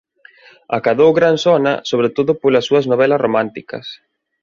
Acadou gran sona sobre todo polas súas novelas románticas.